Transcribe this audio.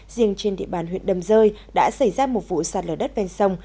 riêng trên địa bàn huyện đầm rơi đã xảy ra một vụ sạt lở đất ven sông